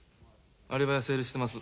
アリバイは成立してます。